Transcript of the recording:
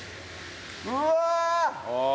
うわ！